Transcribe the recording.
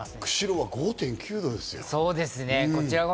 釧路は５．９度ですよ。